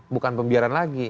bukan pembiaran lagi